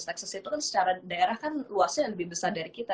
texas itu kan secara daerah kan luasnya lebih besar dari kita